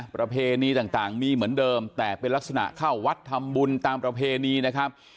ประเพณีต่างมีเหมือนเดิมแต่เป็นลักษณะเข้าวัดทำบุญตามประเพณีนะครับ